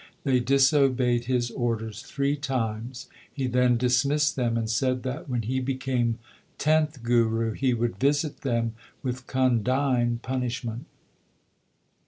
They disobeyed his orders three times. He then dismissed them, and said that, when he became tenth Guru, he would visit them with condign punishment.